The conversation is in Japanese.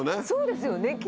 そうですよね。